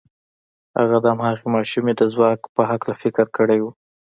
هغه د هماغې ماشومې د ځواک په هکله فکر کړی و.